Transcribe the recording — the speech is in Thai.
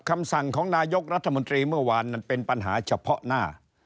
คำสั่งของนายกรัฐมนตรีเมื่อวานนั้นเป็นปัญหาเฉพาะหน้า